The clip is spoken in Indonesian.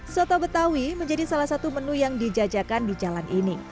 soto betawi menjadi salah satu menu yang dijajakan di jalan ini